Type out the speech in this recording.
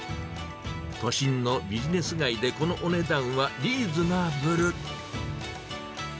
都心のビジネス街でこのお値段はリーズナブル。